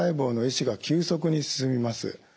死が急速に進みます。